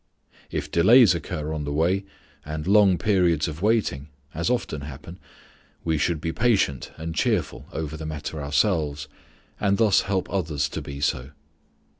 If delays occur on the way, and long periods of waiting, as often happen, we should be patient and cheerful over the matter ourselves, and thus help others to be so.